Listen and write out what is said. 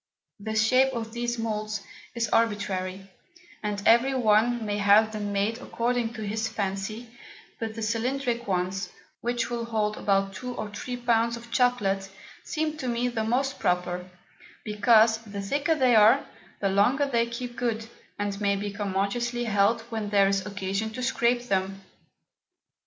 The Shape of these Moulds is arbitrary, and every one may have them made according to his Fancy; but the cylindrick ones, which will hold about 2 or 3 Pounds of Chocolate, seem to me to be most proper; because the thicker they are, the longer they keep good, and may be commodiously held when there is occasion to scrape them.